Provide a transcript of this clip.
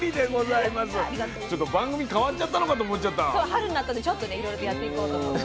春になったのでちょっといろいろとやっていこうと思って。